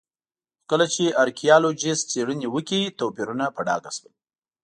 خو کله چې ارکيالوجېسټ څېړنې وکړې توپیرونه په ډاګه شول